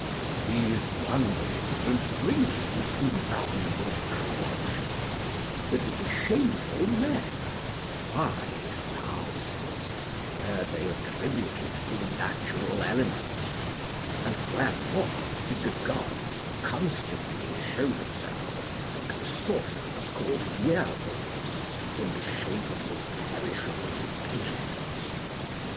'These wanderings, and drinkings, and loves, and corruptions, that would be shameful in men, why,' thou saidst, 'were they attributed to the natural elements; and wherefore did the Gods constantly show themselves, like the sorcerers called were wolves, in the shape of the perishable beasts?'